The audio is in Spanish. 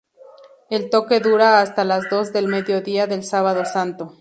El toque dura hasta las dos del mediodía del Sábado Santo.